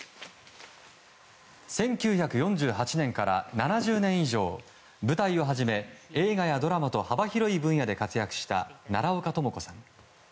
１９４８年から７０年以上舞台をはじめ映画やドラマと幅広い分野で活躍した奈良岡朋子さん。